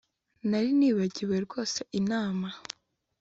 Narnibagiwe rwose inama